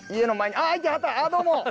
あっどうも。